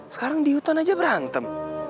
sekarang di hutan aja berantem